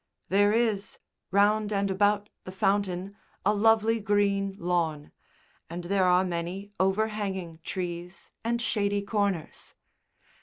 There is, round and about the fountain, a lovely green lawn, and there are many overhanging trees and shady corners.